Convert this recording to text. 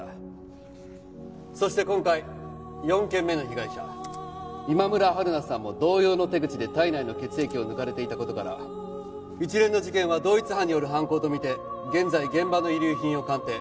そして今回４件目の被害者今村春菜さんも同様の手口で体内の血液を抜かれていた事から一連の事件は同一犯による犯行とみて現在現場の遺留品を鑑定。